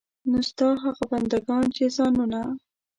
نو ستا هغه بندګان چې ځانونه.